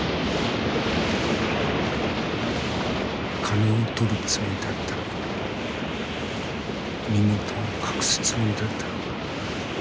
金を取るつもりだったのか身元を隠すつもりだったのか